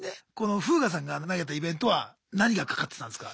フーガさんが投げたイベントは何が懸かってたんすか？